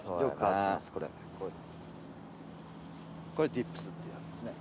これディップスってやつですね。